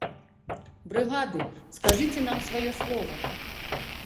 Брыгады, скажыце нам сваё слова.